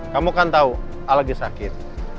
kamu kan tahu a lagi sakit